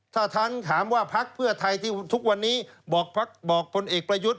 ถ้าท่านถามว่าพักเพื่อไทยที่ทุกวันนี้บอกพลเอกประยุทธ์